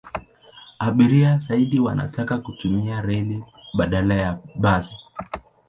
Abiria zaidi wanataka kutumia reli badala ya basi.